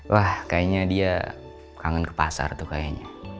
wah kayaknya dia kangen ke pasar tuh kayaknya